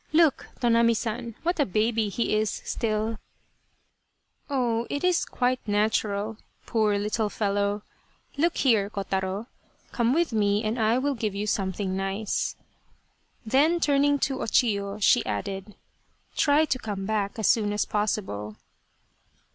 Look, Tonami San, what a baby he is still !"" Oh, it is quite natural, poor little fellow. Look here, Kotaro ! Come with me and I will give you something nice." Then, turning to O Chiyo, she added " Try to come back as soon as possible."